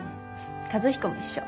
和彦も一緒。